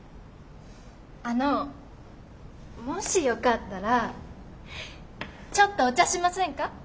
あのもしよかったらちょっとお茶しませんか？